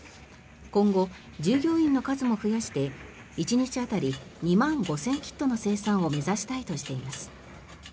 今後、従業員の数も増やして１日当たり２万５０００キットの生産を目指したいとしています。